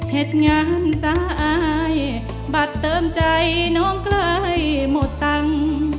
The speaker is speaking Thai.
เหตุงานสาอายบัตรเติมใจน้องใกล้หมดตังค์